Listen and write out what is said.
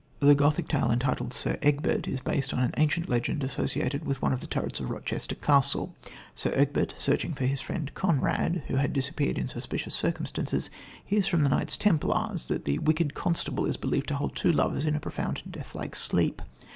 The Gothic tale entitled Sir Egbert is based on an ancient legend associated with one of the turrets of Rochester Castle. Sir Egbert, searching for his friend, Conrad, who had disappeared in suspicious circumstances, hears from the Knights Templars, that the wicked Constable is believed to hold two lovers in a profound and deathlike sleep.